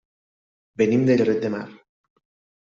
Venim de Lloret de Mar.